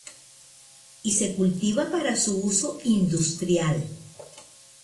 Y se cultiva para su uso industrial.